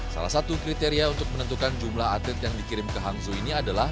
salah satu kriteria untuk menentukan jumlah atlet yang dikirim ke hangzhou ini adalah